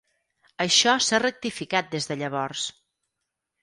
Això s'ha rectificat des de llavors.